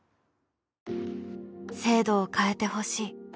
制度を変えてほしい。